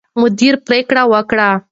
مدیر پرېکړه وکړه.